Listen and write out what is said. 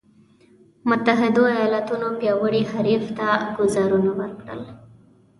متحدو ایالتونو پیاوړي حریف ته ګوزارونه ورکړل.